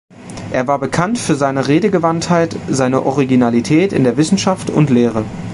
Er war bekannt für seine Redegewandtheit und seine Originalität in der Wissenschaft und Lehre.